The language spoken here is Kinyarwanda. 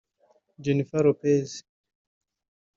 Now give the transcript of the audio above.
Jennifer Lopez